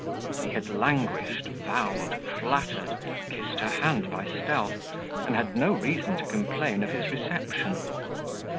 He had languished, vowed, flattered, kissed her hand by stealth, and had no reason to complain of his reception.